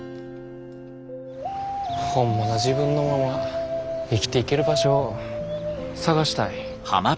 ホンマの自分のまま生きていける場所を探したい。